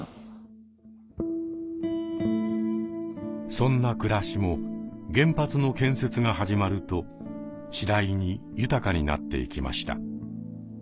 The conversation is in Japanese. そんな暮らしも原発の建設が始まると次第に豊かになっていきました。